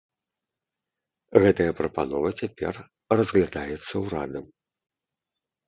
Гэтая прапанова цяпер разглядаецца ўрадам.